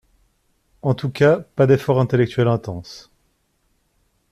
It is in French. En tout cas pas d'effort intellectuel intense.